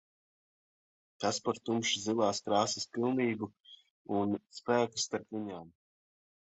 Kas par tumši zilās krāsas pilnību un spēku starp viņām.